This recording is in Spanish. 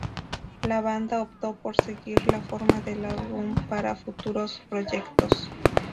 La banda optó por seguir la forma del álbum para futuros proyectos.